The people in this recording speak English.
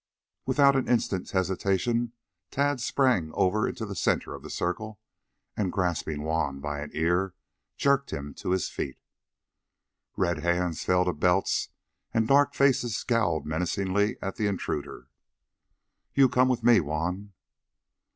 Without an instant's hesitation, Tad sprang over into the center of the circle, and grasping Juan by an ear, jerked him to his feet. Red hands fell to belts and dark faces scowled menacingly at the intruder. "You come with me, Juan!"